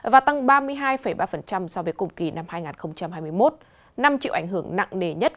và tăng ba mươi hai ba so với cùng kỳ năm hai nghìn hai mươi một năm chịu ảnh hưởng nặng nề nhất